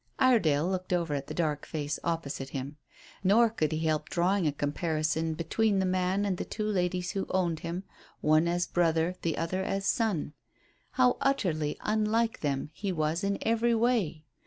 Iredale looked over at the dark face opposite him. Nor could he help drawing a comparison between the man and the two ladies who owned him, one as brother, the other as son. How utterly unlike them he was in every way.